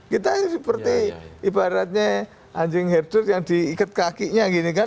kita seperti ibaratnya anjing herdut yang diikat kakinya gini kan